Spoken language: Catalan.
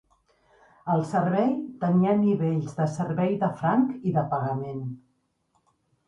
El servei tenia nivells de servei de franc i de pagament.